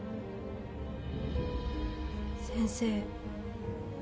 先生。